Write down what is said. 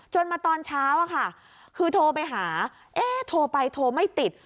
จนมาตอนเช้าคือโทรไปหาโทรไปโทรไม่ติด